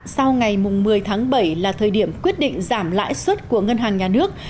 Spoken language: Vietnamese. sau ngày một mươi tháng bảy là thời điểm quyết định giảm lãi suất của ngân hàng nhà nước